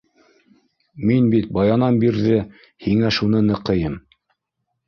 Мин бит баянан бирҙе һиңә шуны ныҡыйым.